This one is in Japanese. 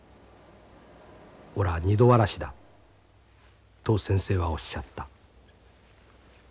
『おら二度わらしだ』と先生はおっしゃった」。